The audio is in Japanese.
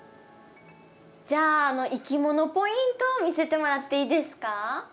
じゃあいきものポイント見せてもらっていいですか？